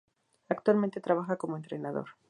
Actualmente trabaja como entrenador.